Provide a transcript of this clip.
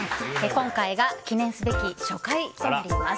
今回が記念すべき初回となります。